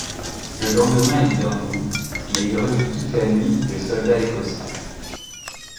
Le lendemain il dormit, mais il revit toute la nuit le soldat écossais.